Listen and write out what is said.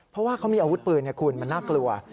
เพราะว่าเขามีอาวุธปืนไงคุณมันน่ากลัว